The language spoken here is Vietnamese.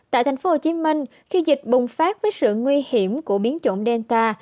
tại tp hcm khi dịch bùng phát với sự nguy hiểm của biến trộm delta